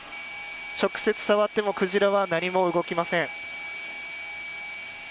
直接触ってもクジラは何も動きません。